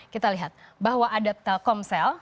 kita lihat bahwa ada telkomsel